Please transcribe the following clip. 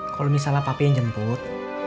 kalau misalnya papi yang jemput